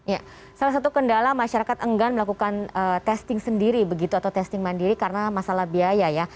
ya salah satu kendala masyarakat enggan melakukan testing sendiri begitu atau testing mandiri karena masalah biaya ya